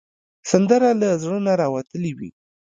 سندره له زړه نه راوتلې وي